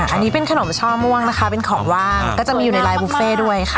อันนี้เป็นขนมช่อม่วงนะคะเป็นของว่างก็จะมีอยู่ในลายบุฟเฟ่ด้วยค่ะ